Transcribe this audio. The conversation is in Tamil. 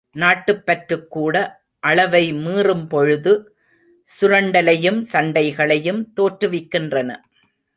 நாட்டுப் பற்றுக் கூட அளவை மீறும் பொழுது சுரண்டலையும் சண்டைகளையும் தோற்றுவிக்கின்றன.